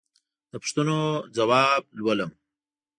د پوښتنو ځواب لولم.